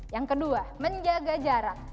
yang kedua menjaga jarak